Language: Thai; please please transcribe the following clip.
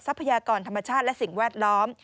พยากรธรรมชาติและสิ่งแวดล้อม